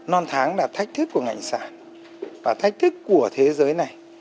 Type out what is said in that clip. non tháng là thách thức của ngành sản và thách thức của thế giới này